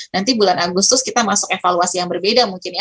nanti bulan agustus kita masuk evaluasi yang berbeda mungkin ya